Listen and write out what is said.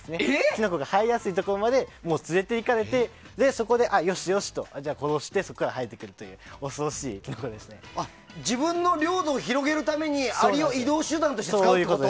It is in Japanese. キノコが生えやすいようなところまで連れていかれてそこで、よしよしと殺してそこから生えてくるという自分の領土を広げるためにアリを移動手段として使うってこと？